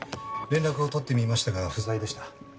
連絡をとってみましたが不在でした。